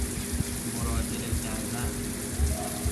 مراجعه کردن